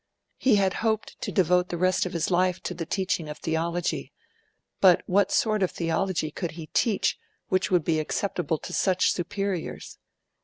He had hoped to devote the rest of his life to the teaching of Theology; but what sort of Theology could he teach which would be acceptable to such superiors?